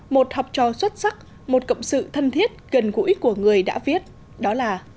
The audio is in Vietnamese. một học trò xuất sắc một cộng sự thân thiết gần gũi của người đã viết đó là